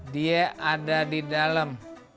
dia ada di dalam